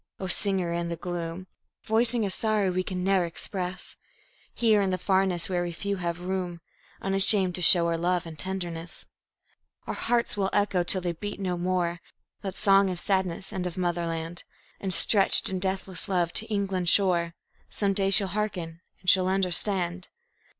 (O! singer in the gloom, Voicing a sorrow we can ne'er express, Here in the Farness where we few have room Unshamed to show our love and tenderness, Our hearts will echo, till they beat no more, That song of sadness and of motherland; And, stretched in deathless love to England's shore, Some day she'll hearken and she'll understand.)